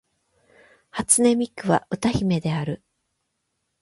初音ミクは歌姫である